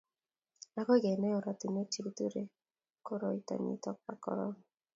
agoi kenai ortinwek che kiturei koroito nito bo korona